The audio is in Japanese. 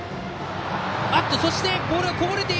そしてボールがこぼれた！